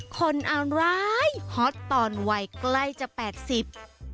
คนอะไรฮอตตอนวัยใกล้จะแปดสิบ